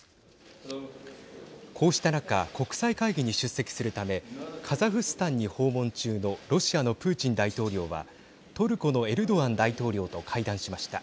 こうした中国際会議に出席するためカザフスタンに訪問中のロシアのプーチン大統領はトルコのエルドアン大統領と会談しました。